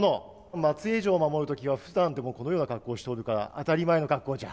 松江城を守る時はふだんでもこのような格好をしておるから当たり前の格好じゃ。